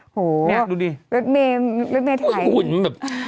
โอ้โฮแม่ดูดิแม่ถ่ายแม่หุ่นแบบ